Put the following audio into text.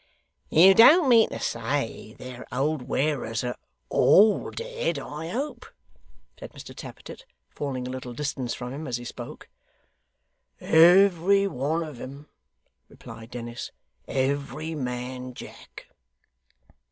'You don't mean to say their old wearers are ALL dead, I hope?' said Mr Tappertit, falling a little distance from him as he spoke. 'Every one of 'em,' replied Dennis. 'Every man Jack!